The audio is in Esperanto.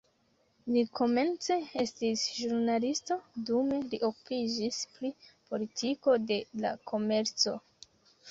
Li komence estis ĵurnalisto, dume li okupiĝis pri politiko de la komerco.